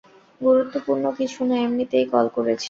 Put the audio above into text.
গুরুত্বপূর্ণ কিছু না, এমনিতেই কল করেছি।